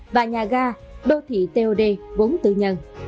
và nhà ga đô thị tod vốn tư nhân